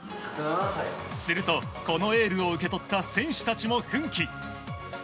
すると、このエールを受け取った選手たちも奮起。